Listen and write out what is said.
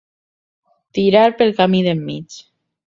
Tirar pel camí del mig.